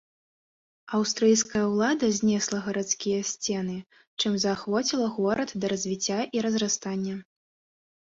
Аўстрыйская ўлада знесла гарадскія сцены, чым заахвоціла горад да развіцця і разрастання.